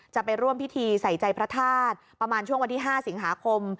จะไปร่วมพิธีใส่ใจพระธาตุประมาณช่วงวันที่๕สิงหาคม